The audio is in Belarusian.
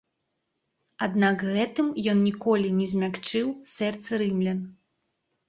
Аднак гэтым ён ніколі не змякчыў сэрцы рымлян.